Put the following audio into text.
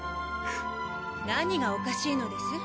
何がおかしいのです？